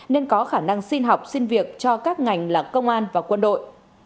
nên có khả năng xin học xin việc cho các ngành là công an và quân đội